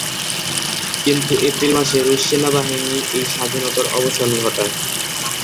কিন্তু এপ্রিল মাসে রুশ সেনাবাহিনী এই স্বাধীনতার অবসান ঘটায়।